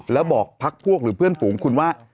แล้วบอกพักพวกหรือเพื่อนฝูงคุณว่า